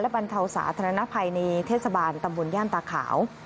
บรรเทาสาธารณภัยในเทศบาลตำบลย่านตาขาว